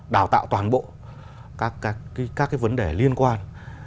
đào tạo toàn bộ các vấn đề liên quan